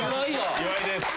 岩井です。